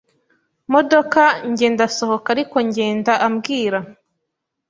modoka njye ndasohoka ariko ngenda ambwira